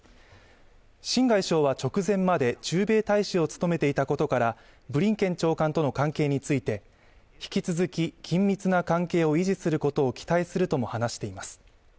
秦外相は直前まで駐米大使を務めていたことから、ブリンケン長官との関係について引き続き緊密な関係を維持することを期待するとも話しています。